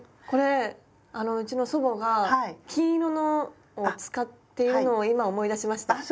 これうちの祖母が金色のを使っているのを今思い出しました。